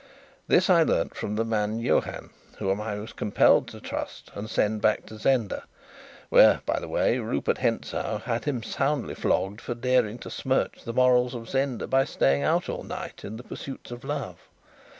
This I learnt from the man Johann, whom I was compelled to trust and send back to Zenda, where, by the way, Rupert Hentzau had him soundly flogged for daring to smirch the morals of Zenda by staying out all night in the pursuits of love.